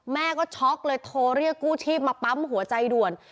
แม่ก็ช็อกเลยโทรเรียกกู้ชีพมาปั๊มหัวใจด่วน